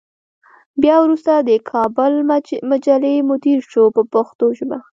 بیا وروسته د کابل مجلې مدیر شو په پښتو ژبه.